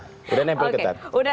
oke sudah nempel ketat